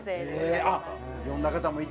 あっ読んだ方もいてる。